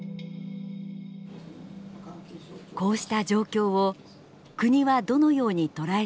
こうした状況を国はどのように捉えているのか。